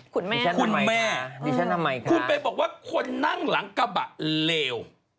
คุณแม่คุณแม่ดิฉันทำไมคะคุณไปบอกว่าคนนั่งหลังกระบะเลว